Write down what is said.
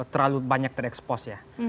terlalu banyak terekspos